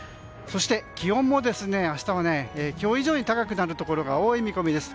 そして、気温も明日は今日以上に高くなるところが多い見込みです。